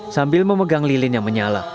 sambil memegang lilin yang menyala